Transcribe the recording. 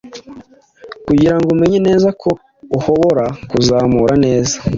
kugirango umenye neza ko uhobora kuzamura neza